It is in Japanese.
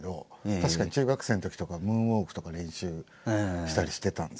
確かに中学生のときとかムーンウォークとか練習したりしてたんですけど。